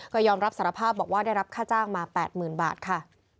ก็ยอมรับสารภาพบอกว่าได้รับค่าจ้างมา๘๐๐๐บาทค่ะ